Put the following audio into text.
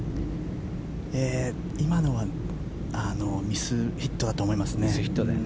今のはミスヒットだと思いますね。